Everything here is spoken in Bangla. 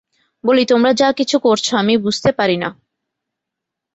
বলি, তোমরা যা কিছু করছ, আমি বুঝতে পারি না।